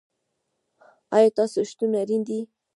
ایا ستاسو شتون اړین دی؟